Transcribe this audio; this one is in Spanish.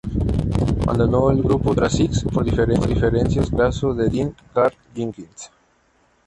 Abandonó el grupo tras "Six" por diferencias con el reemplazo de Dean, Karl Jenkins.